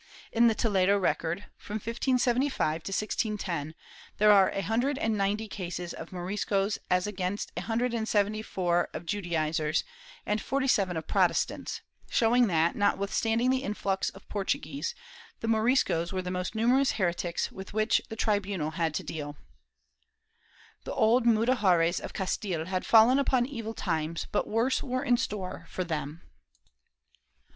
In the Toledo record, from 1575 to 1610, there are a hundred and ninety cases of Moris cos as against a hundred and seventy four of Judaizers, and forty seven of Protestants, showing that, notwithstanding the influx of Portuguese, the Moriscos were the most numerous heretics with which the tribunal had to deal/ The old Mudejares of Castile had fallen upon evil times, but worse were in store for them.